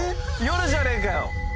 ⁉夜じゃねえか」